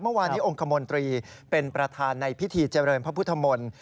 เมื่อวานนี้องค์คมนตรีเป็นประธานในพิธีเจริญพระพุทธมนตร์